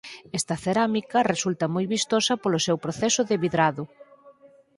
Esta cerámica resulta moi vistosa polo seu proceso de vidrado.